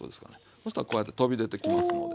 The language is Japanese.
そしたらこうやって飛び出てきますので。